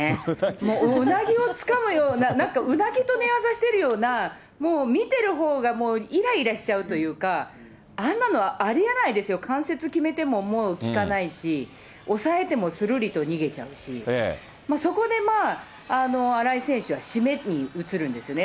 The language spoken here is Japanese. もううなぎをつかむような、なんかうなぎと寝技してるような、もう見てるほうが、もういらいらしちゃうというか、あんなのありえないですよ、関節決めてももう効かないし、押さえてもするりと逃げちゃうし、そこでまあ、新井選手は絞めに移るんですよね。